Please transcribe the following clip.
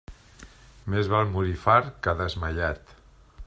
Més val morir fart que desmaiat.